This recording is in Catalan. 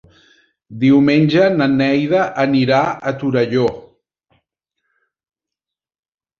Diumenge na Neida anirà a Torelló.